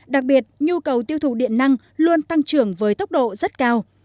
đặc biệt nhu cầu tiêu thụ điện năng luôn tăng trưởng với tốc độ rất cao